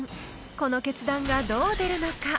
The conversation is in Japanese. ［この決断がどう出るのか？］